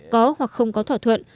có hoặc không có thỏa thuận